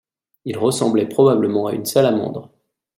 Il ressemblait probablement à une salamandre.